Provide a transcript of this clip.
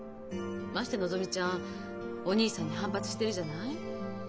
ましてのぞみちゃんお義兄さんに反発してるじゃない？